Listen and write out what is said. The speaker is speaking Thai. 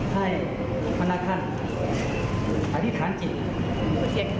ให้บรรณท่านอธิษฐานจิต